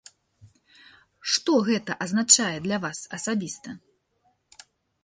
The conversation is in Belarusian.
Што гэта азначае для вас асабіста?